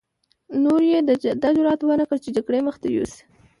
نورو يې دا جرعت ونه کړ چې جګړې مخته يوسي.